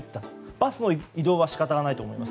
バスの移動は仕方ないと思います。